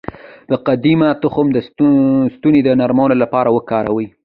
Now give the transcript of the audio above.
د قدومه تخم د ستوني د نرمولو لپاره وکاروئ